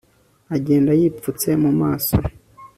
agenda yipfutse mu maso